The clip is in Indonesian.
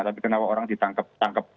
tapi kenapa orang ditangkep tangkep